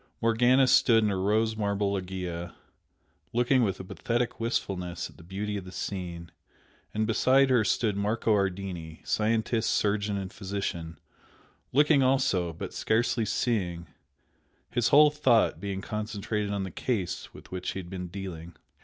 Morgana stood in her rose marble loggia, looking with a pathetic wistfulness at the beauty of the scene, and beside her stood Marco Ardini, scientist, surgeon and physician, looking also, but scarcely seeing, his whole thought being concentrated on the "case" with which he had been dealing.